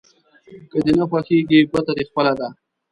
که دې نه خوښېږي ګوته دې خپله ده.